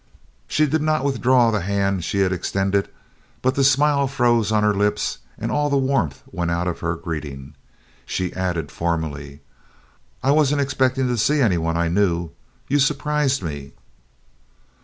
She did not withdraw the hand she had extended, but the smile froze on her lips and all the warmth went out of her greeting. She added formally, "I wasn't expecting to see any one I knew you surprised me."